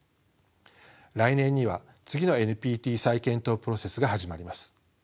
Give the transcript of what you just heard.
来年には次のＮＰＴ再検討プロセスが始まります。